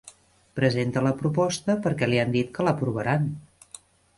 Presenta la proposta perquè li han dit que l'aprovaran.